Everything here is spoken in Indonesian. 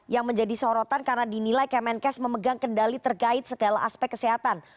yang menjadi sorotan karena dinilai kemenkes memegang kendali terkait segala aspek kesehatan